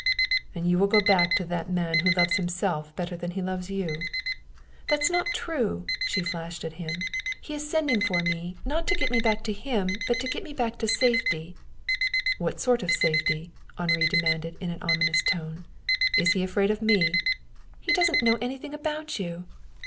"And you will go back to that man who loves himself better than he loves you?" "That's not true!" she flashed at him. "He is sending for me, not to get me back to him, but to get me back to safety." "What sort of safety?" Henri demanded in an ominous tone. "Is he afraid of me?" "He doesn't know anything about you."